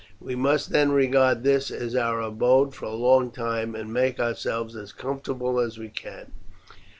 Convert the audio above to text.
We must then regard this as our abode for a long time, and make ourselves as comfortable as we can.